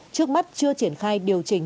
trước mắt chưa triển khai điều chỉnh